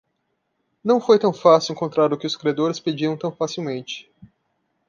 Não foi tão fácil encontrar o que os credores pediam tão facilmente.